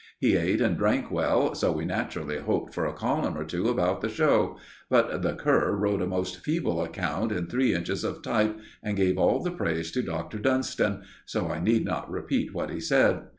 He ate and drank well, so we naturally hoped for a column or two about the show; but the cur wrote a most feeble account in three inches of type, and gave all the praise to Dr. Dunston, so I need not repeat what he said.